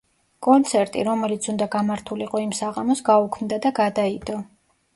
კონცერტი, რომელიც უნდა გამართულიყო იმ საღამოს გაუქმდა და გადაიდო.